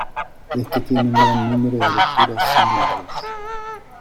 Este tiene un gran número de lecturas singulares.